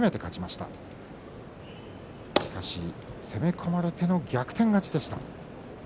しかし攻め込まれての逆転勝ちでした。